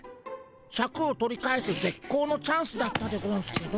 シャクを取り返すぜっこうのチャンスだったでゴンスけど。